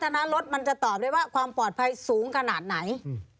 นะรถมันจะตอบได้ว่าความปลอดภัยสูงขนาดไหน